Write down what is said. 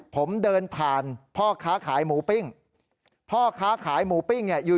ผมเดินผ่านพ่อค้าขายหมูปิ้ง